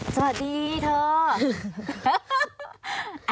สวัสดีเธอ